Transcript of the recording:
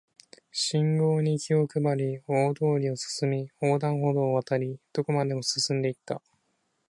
信号に気を配り、大通りを進み、横断歩道を渡り、どこまでも進んで行った